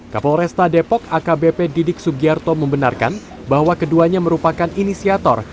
kapolresta depok akbp didik sugiarto membenarkan bahwa keduanya merupakan inisiator